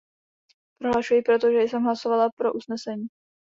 Prohlašuji proto, že jsem hlasovala pro usnesení.